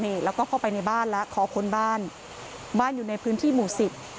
นี่แล้วก็เข้าไปในบ้านแล้วขอค้นบ้านบ้านอยู่ในพื้นที่หมู่สิบ